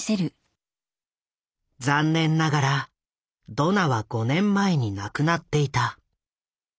残念ながらドナは５年前に亡くなっていた。